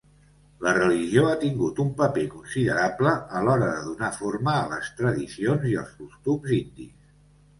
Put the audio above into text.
La religió ha tingut un paper considerable a l'hora de donar forma a les tradicions i els costums indis.